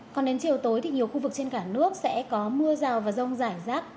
còn đến chiều tối thì nhiều khu vực trên cả nước sẽ có mưa rào và rông rải rác